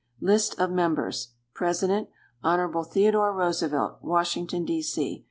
List of Members President. Hon. Theodore Roosevelt, Washington, D. C.